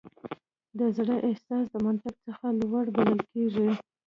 د زړه احساس د منطق څخه لوړ بلل کېږي.